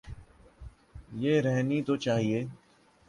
یہ رہنی تو چاہیے۔